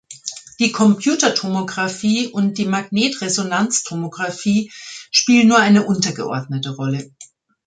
Die Computertomographie und die Magnetresonanztomographie spielen nur eine untergeordnete Rolle.